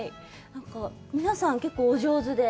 なんか、皆さん、結構、お上手で。